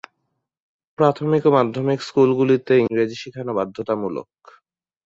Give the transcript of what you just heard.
প্রাথমিক ও মাধ্যমিক স্কুলগুলিতে ইংরেজি শেখানো বাধ্যতামূলক।